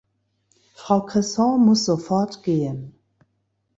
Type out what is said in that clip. Frau Cresson muss sofort gehen.